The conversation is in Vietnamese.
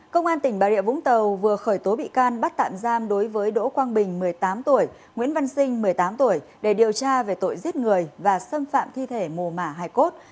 công an tỉnh bà rịa vũng tàu vừa khởi tố bị can bắt tạm giam đối với đỗ quang bình một mươi tám tuổi nguyễn văn sinh một mươi tám tuổi để điều tra về tội giết người và xâm phạm thi thể mồ mả hải cốt